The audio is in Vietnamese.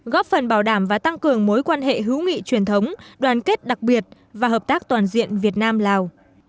góp phần bảo đảm và tăng cường mối quan hệ hữu nghị truyền thống đoàn kết đặc biệt và hợp tác toàn diện việt nam lào